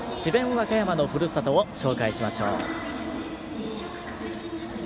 和歌山のふるさとを紹介しましょう。